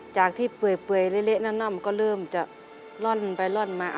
จากที่เปื่อยเละน่อมก็เริ่มจะล่อนไปร่อนมา